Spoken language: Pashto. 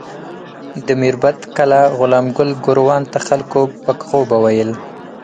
د میربت کلا غلام ګل ګوروان ته خلکو پک غوبه ویل.